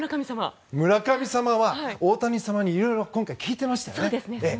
村神様は大谷様にいろいろ今回聞いてましたね。